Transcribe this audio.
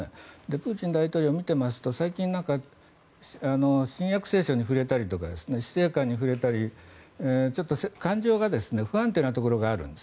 プーチン大統領を見ていますと最近、新約聖書に触れたりとか死生観に触れたりちょっと感情が不安定なところがあるんです。